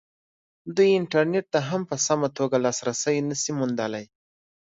دوی انټرنېټ ته هم په سمه توګه لاسرسی نه شي موندلی.